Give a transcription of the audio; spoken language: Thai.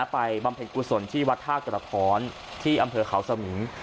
บำเพ็ญกุศลที่วัดท่ากระท้อนที่อำเภอเขาสมิง